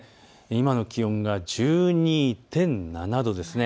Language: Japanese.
今の気温が１２．７度です。